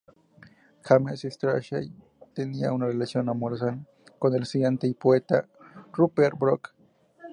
James Strachey tenía una relación amorosa con el estudiante y poeta Rupert Brooke.